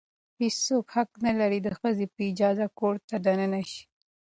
هیڅ څوک حق نه لري د ښځې په اجازې کور ته دننه شي.